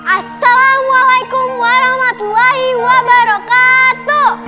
assalamualaikum warahmatullahi wabarakatuh